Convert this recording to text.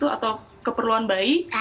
atau keperluan bayi